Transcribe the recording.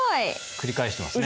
繰り返してますね。